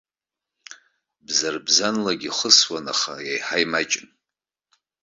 Бзарбзанлагьы ихысуан, аха еиҳа имаҷын.